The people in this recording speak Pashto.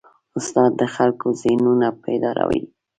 استاد د خلکو ذهنونه بیداروي.